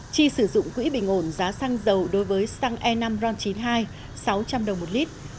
chi sử dụng quỹ bình ổn giá xăng dầu đối với xăng e năm ron chín mươi hai sáu trăm linh đồng một lít